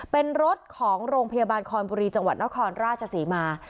เป็นรถของโรงพยาบาลคอนบุรีจังหวัดนครราชศรีมา